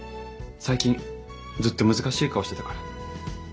最近ずっと難しい顔してたから。